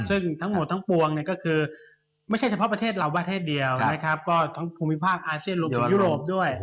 ซึ่งทั้งหมดทั้งปวงเนี่ยก็คือไม่ใช่เฉพาะประเทศเราประเทศเดียวนะครับก็ทั้งภูมิภาคอาเซียนรวมถึงยุโรปด้วย